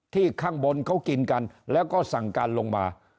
ข้างบนเขากินกันแล้วก็สั่งการลงมา